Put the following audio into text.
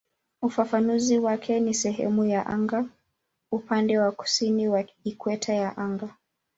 Ufafanuzi wake ni "sehemu ya anga upande wa kusini wa ikweta ya anga".